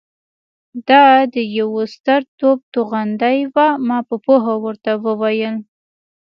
دا د یوه ستر توپ توغندۍ وه. ما په پوهه ورته وویل.